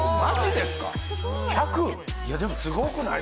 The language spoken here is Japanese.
いやでもすごくない？